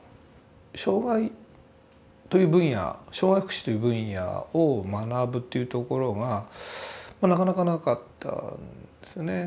障害という分野障害福祉という分野を学ぶというところがなかなかなかったんですね。